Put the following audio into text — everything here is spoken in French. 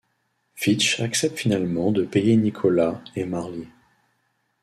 Fitch accepte finalement de payer Nicholas et Marlee.